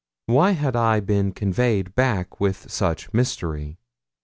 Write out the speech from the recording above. Why had I been conveyed back with such mystery?